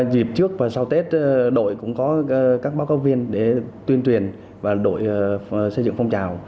dịp trước và sau tết đội cũng có các báo cáo viên để tuyên truyền và đội xây dựng phong trào